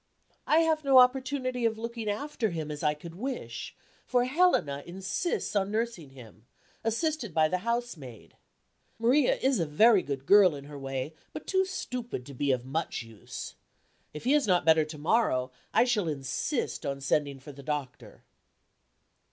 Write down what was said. I have no opportunity of looking after him as I could wish; for Helena insists on nursing him, assisted by the housemaid. Maria is a very good girl in her way, but too stupid to be of much use. If he is not better to morrow, I shall insist on sending for the doctor.